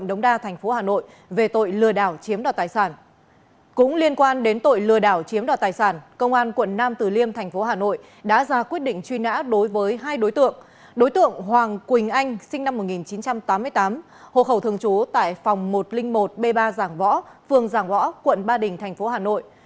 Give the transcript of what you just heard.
đối tượng hoàng quỳnh anh sinh năm một nghìn chín trăm tám mươi tám hộ khẩu thường chú tại phòng một trăm linh một b ba giảng võ phường giảng võ quận ba đình tp hà nội